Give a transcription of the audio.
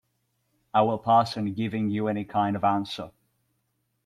I will pass on giving you any kind of answer.